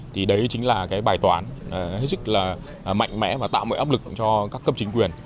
thì đấy chính là cái bài toán hết sức là mạnh mẽ và tạo mọi áp lực cho các cấp chính quyền